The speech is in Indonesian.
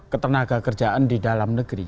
ketenaga kerjaan di dalam negeri